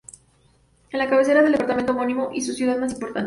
Es la cabecera del Departamento homónimo y su ciudad más importante.